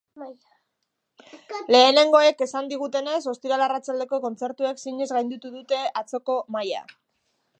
Lehenengoek esan digutenez, ostiral arratsaldeko kontzertuek zinez gainditu dute atzoko maila.